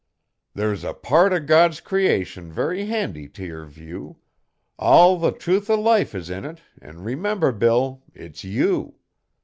There's a part o' Cod's creation very handy t' yer view, Al' the truth o' life is in it an' remember, Bill, it's you.